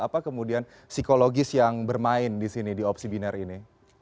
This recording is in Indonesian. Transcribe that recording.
apa kemudian psikologis yang bermain di sini di opsi binar ini